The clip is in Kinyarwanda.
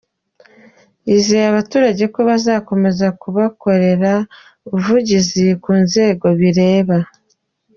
Yizeza abaturage ko bazakomeza kubakorera ubuvugizi ku nzego bireba.